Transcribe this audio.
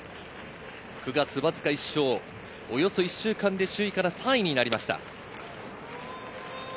わずか１勝、およそ１週間で首位から３位になりました。